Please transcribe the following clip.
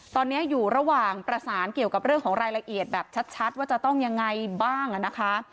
ตอนนี้อยู่ระหว่างประสานเกี่ยวกับเรื่องของรายละเอียดแบบชัดว่าจะต้องยังไงบ้างนะคะ